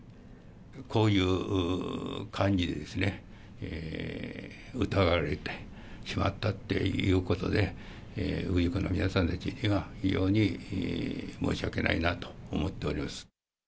こういう感じで疑われてしまったということで、氏子の皆さんには、非常に申し訳ないなと思っております。